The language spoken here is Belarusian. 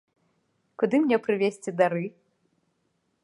Куды мне прывезці дары?